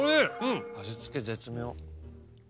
味付け絶妙。